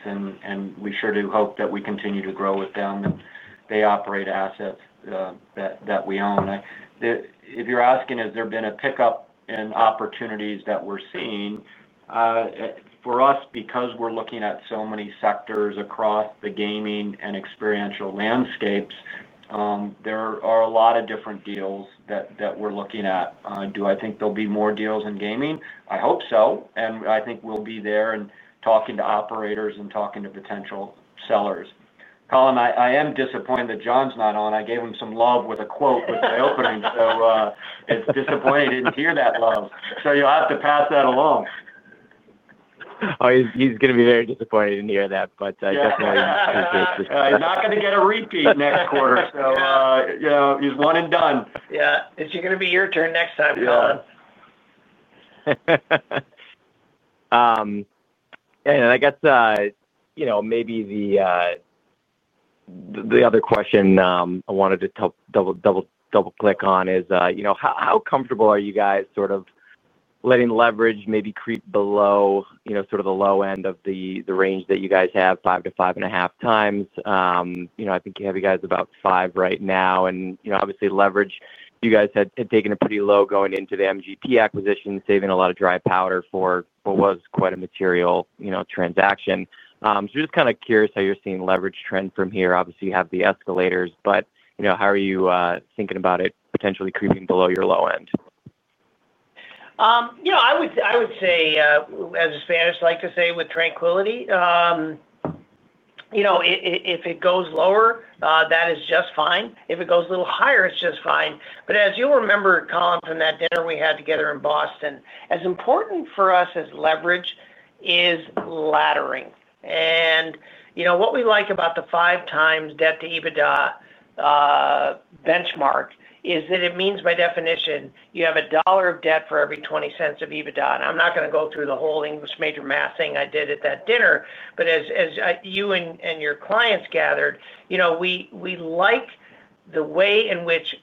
We sure do hope that we continue to grow with them and they operate assets that we own. If you're asking, has there been a pickup in opportunities that we're seeing? For us, because we're looking at so many sectors across the gaming and experiential landscapes, there are a lot of different deals that we're looking at. Do I think there'll be more deals in gaming? I hope so. I think we'll be there and talking to operators and talking to potential sellers. Colin, I am disappointed that John's not on. I gave him some love with a quote with my opening. It's disappointing he didn't hear that love. You'll have to pass that along. He's going to be very disappointed in hearing that, but definitely appreciate this conversation. He's not going to get a repeat next quarter. He's one and done. Yeah, it's going to be your turn next time, Colin. The other question I wanted to double-click on is how comfortable are you guys sort of letting leverage maybe creep below the low end of the range that you guys have, five to five and a half times? I think you have you guys about five right now. Obviously, leverage, you guys had taken pretty low going into the MGP acquisition, saving a lot of dry powder for what was quite a material transaction. Just kind of curious how you're seeing leverage trend from here. Obviously, you have the escalators, but how are you thinking about it potentially creeping below your low end? I would say, as Spanish like to say, with tranquility. If it goes lower, that is just fine. If it goes a little higher, it's just fine. As you'll remember, Colin, from that dinner we had together in Boston, as important for us as leverage is laddering. What we like about the times debt to EBITDA benchmark is that it means, by definition, you have a dollar of debt for every $0.20 of EBITDA. I'm not going to go through the whole English major math thing I did at that dinner. As you and your clients gathered, we like the way in which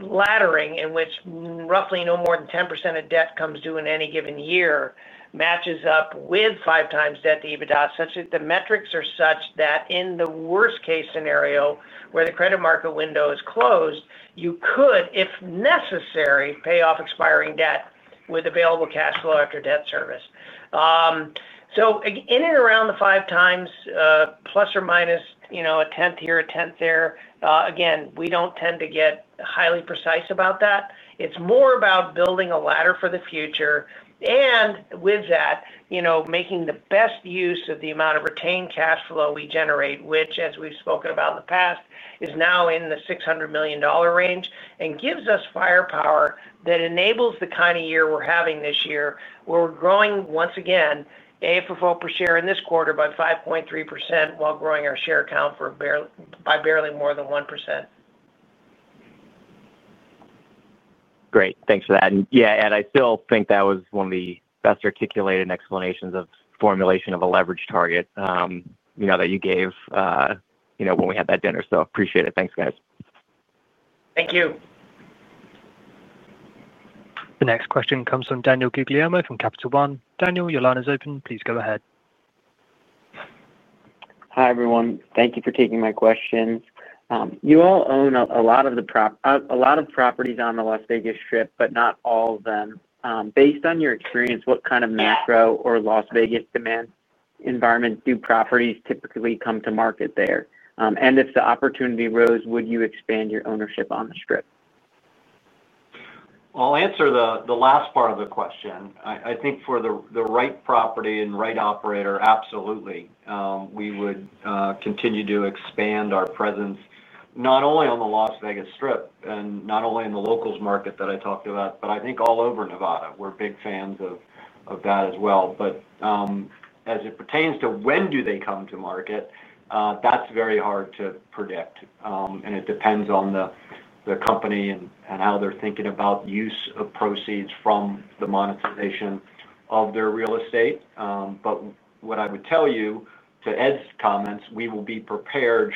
laddering, in which roughly no more than 10% of debt comes due in any given year, matches up 5x debt to EBITDA, such that the metrics are such that in the worst-case scenario, where the credit market window is closed, you could, if necessary, pay off expiring debt with available cash flow after debt service. In and around 5x, plus or minus a tenth here, a tenth there, we don't tend to get highly precise about that. It's more about building a ladder for the future. With that, making the best use of the amount of retained cash flow we generate, which, as we've spoken about in the past, is now in the $600 million range and gives us firepower that enables the kind of year we're having this year where we're growing, once again, AFFO per share in this quarter by 5.3% while growing our share count by barely more than 1%. Great, thanks for that. Ed, I still think that was one of the best articulated explanations of formulation of a leverage target that you gave when we had that dinner. Appreciate it. Thanks, guys. Thank you. The next question comes from Daniel Guglielmo from Capital One. Daniel, your line is open. Please go ahead. Hi, everyone. Thank you for taking my questions. You all own a lot of the properties on the Las Vegas Strip, but not all of them. Based on your experience, what kind of macro or Las Vegas demand environment do properties typically come to market there? If the opportunity arose, would you expand your ownership on the strip? I'll answer the last part of the question. I think for the right property and right operator, absolutely, we would continue to expand our presence not only on the Las Vegas Strip and not only in the locals market that I talked about, but I think all over Nevada. We're big fans of that as well. As it pertains to when they come to market, that's very hard to predict. It depends on the company and how they're thinking about use of proceeds from the monetization of their real estate. What I would tell you, to Ed's comments, we will be prepared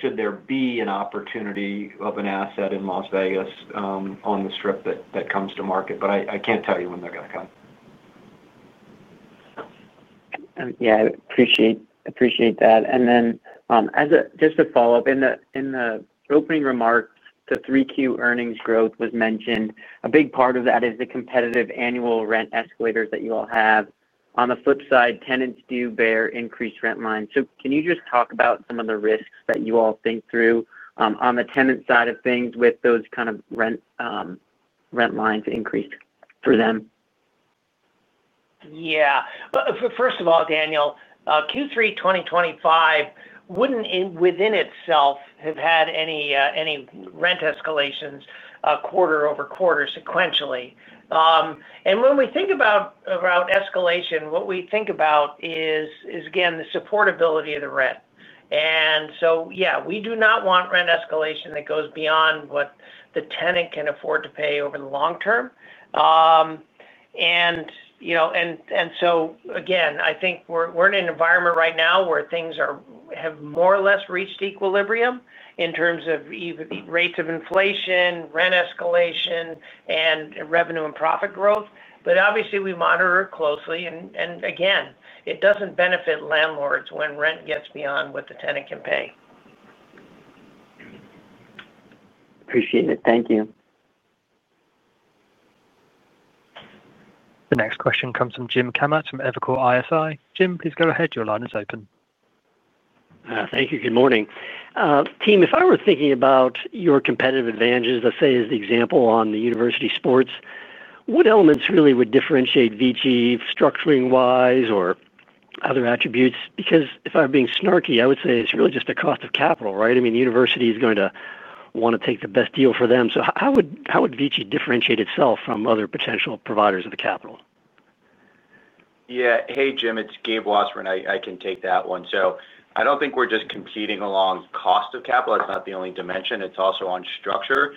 should there be an opportunity of an asset in Las Vegas on the strip that comes to market. I can't tell you when they're going to come. I appreciate that. Just to follow up, in the opening remarks, the 3Q earnings growth was mentioned. A big part of that is the competitive annual rent escalators that you all have. On the flip side, tenants do bear increased rent lines. Can you just talk about some of the risks that you all think through on the tenant side of things with those kind of rent lines increased for them? Yeah. First of all, Daniel, Q3 2025 wouldn't, within itself, have had any rent escalations quarter-over-quarter sequentially. When we think about escalation, what we think about is, again, the supportability of the rent. Yeah, we do not want rent escalation that goes beyond what the tenant can afford to pay over the long term. I think we're in an environment right now where things have more or less reached equilibrium in terms of rates of inflation, rent escalation, and revenue and profit growth. Obviously, we monitor it closely. It doesn't benefit landlords when rent gets beyond what the tenant can pay. Appreciate it. Thank you. The next question comes from Jim Kammert from Evercore ISI. Jim, please go ahead. Your line is open. Thank you. Good morning. Team, if I were thinking about your competitive advantages, let's say, as the example on the university sports, what elements really would differentiate VICI structuring-wise or other attributes? Because if I'm being snarky, I would say it's really just the cost of capital, right? I mean, university is going to want to take the best deal for them. How would VICI differentiate itself from other potential providers of the capital? Yeah. Hey, Jim, it's Gabe Wasserman. I can take that one. I don't think we're just competing along cost of capital. That's not the only dimension. It's also on structure.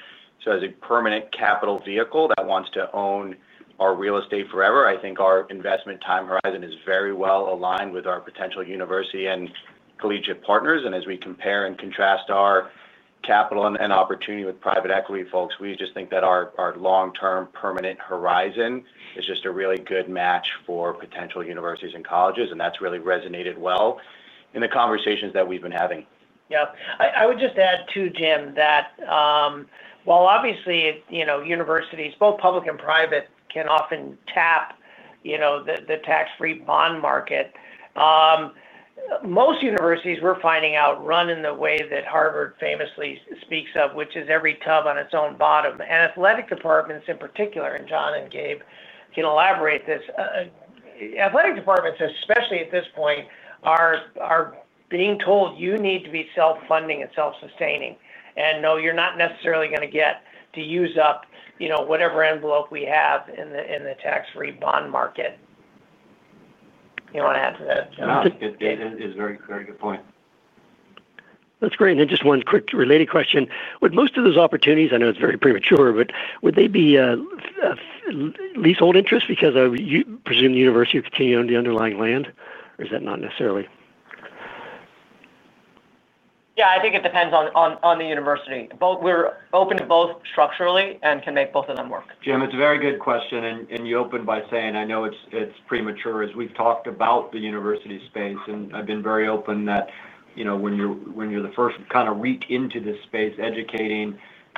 As a permanent capital vehicle that wants to own our real estate forever, I think our investment time horizon is very well aligned with our potential university and collegiate partners. As we compare and contrast our capital and opportunity with private equity folks, we just think that our long-term permanent horizon is just a really good match for potential universities and colleges. That's really resonated well in the conversations that we've been having. Yeah. I would just add too, Jim, that while obviously universities, both public and private, can often tap the tax-free bond market, most universities, we're finding out, run in the way that Harvard famously speaks of, which is every tub on its own bottom. Athletic departments in particular, and John and Gabe can elaborate this, especially at this point, are being told, "You need to be self-funding and self-sustaining." No, you're not necessarily going to get to use up whatever envelope we have in the tax-free bond market. You want to add to that? It's a very good point. That's great. Just one quick related question. Would most of those opportunities, I know it's very premature, but would they be leasehold interest because you presume the university will continue on the underlying land, or is that not necessarily? Yeah, I think it depends on the university. We're open to both structurally and can make both of them work. Jim, it's a very good question. You opened by saying, "I know it's premature." As we've talked about the university space, and I've been very open that when you're the first to kind of reach into this space, educating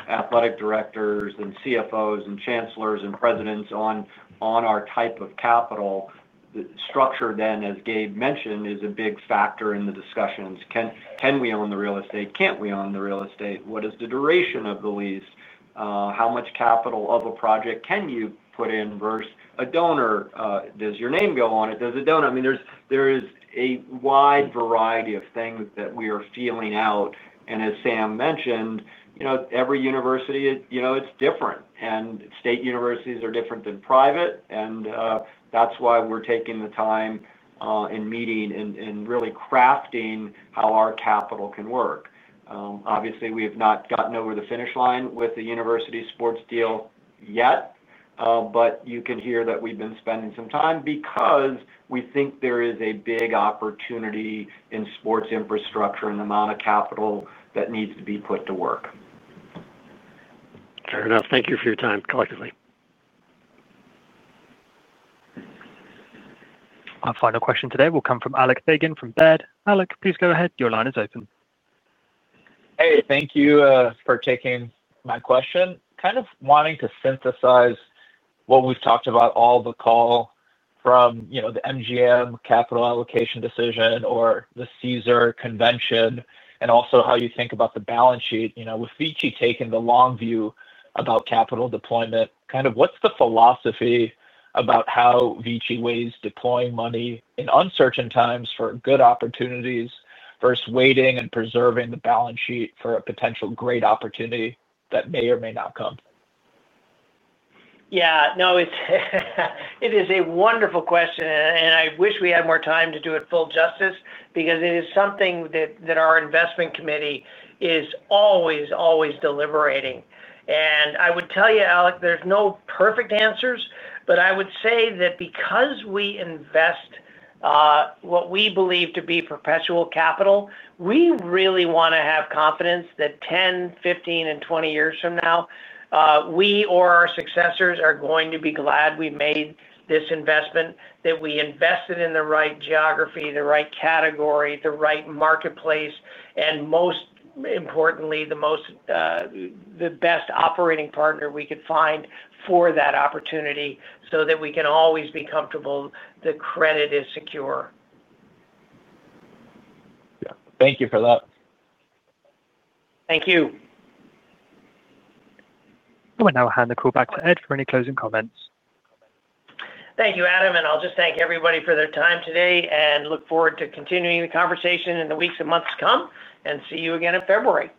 Athletic Directors and CFOs and Chancellors and Presidents on our type of capital, the structure then, as Gabe mentioned, is a big factor in the discussions. Can we own the real estate? Can't we own the real estate? What is the duration of the lease? How much capital of a project can you put in versus a donor? Does your name go on it? Does a donor? There is a wide variety of things that we are feeling out. As Sam mentioned, every university, it's different. State universities are different than private. That's why we're taking the time in meeting and really crafting how our capital can work. Obviously, we have not gotten over the finish line with the university sports deal yet. You can hear that we've been spending some time because we think there is a big opportunity in sports infrastructure and the amount of capital that needs to be put to work. Fair enough. Thank you for your time collectively .Our final question today will come from Alex Bighini from Baird. Alex, please go ahead. Your line is open. Hey, thank you for taking my question. Kind of wanting to synthesize what we've talked about all the call from the MGM capital allocation decision or the Caesars convention and also how you think about the balance sheet. With VICI taking the long view about capital deployment, kind of what's the philosophy about how VICI weighs deploying money in uncertain times for good opportunities versus waiting and preserving the balance sheet for a potential great opportunity that may or may not come? Yeah. No. It is a wonderful question. I wish we had more time to do it full justice because it is something that our investment committee is always, always deliberating. I would tell you, Alex, there's no perfect answers, but I would say that because we invest what we believe to be perpetual capital, we really want to have confidence that 10, 15, and 20 years from now, we or our successors are going to be glad we made this investment, that we invested in the right geography, the right category, the right marketplace, and most importantly, the best operating partner we could find for that opportunity so that we can always be comfortable the credit is secure. Thank you for that. Thank you. We'll now hand the call back to Ed for any closing comments. Thank you, Adam. I thank everybody for their time today and look forward to continuing the conversation in the weeks and months to come and see you again in February.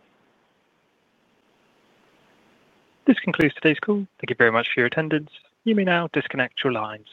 This concludes today's call. Thank you very much for your attendance. You may now disconnect your lines.